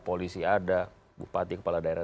polisi ada bupati kepala daerah